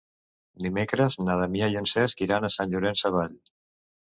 Dimecres na Damià i en Cesc iran a Sant Llorenç Savall.